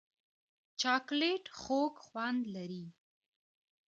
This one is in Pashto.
چاکلېټ خوږ خوند لري.